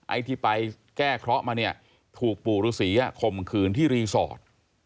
ไอ้ที่ไปแก้เคราะห์มาเนี่ยถูกปู่ฤษีข่มขืนที่รีสอร์ท